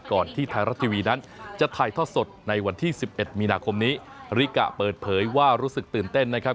ก่อนที่ไทยรัฐทีวีนั้นจะถ่ายทอดสดในวันที่๑๑มีนาคมนี้ริกะเปิดเผยว่ารู้สึกตื่นเต้นนะครับ